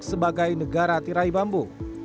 sebagai negara tirai bambu